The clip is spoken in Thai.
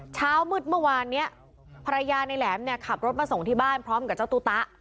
เช้ามืดเมื่อวานเนี้ยภรรยาในแหลมเนี่ยขับรถมาส่งที่บ้านพร้อมกับเจ้าตู้ตะ